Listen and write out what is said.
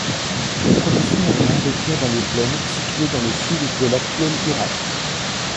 Les premiers Sumériens vécurent dans les plaines, situées dans le Sud de l'actuel Irak.